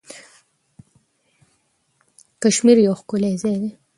کشمیر یو ښکلی ځای دی.